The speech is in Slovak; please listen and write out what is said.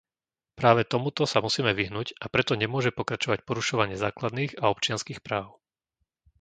Práve tomuto sa musíme vyhnúť, a preto nemôže pokračovať porušovanie základných a občianskych práv.